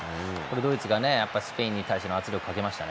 ドイツがスペインに対して圧力をかけました。